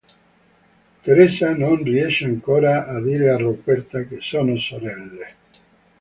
Teresa non riesce ancora a dire a Roberta che sono sorelle.